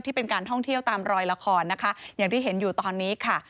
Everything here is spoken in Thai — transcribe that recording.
เป็นการท่องเที่ยวตามรอยละครนะคะอย่างที่เห็นอยู่ตอนนี้ค่ะ